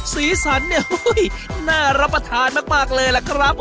สีสันเนี่ยน่ารับประทานมากเลยล่ะครับ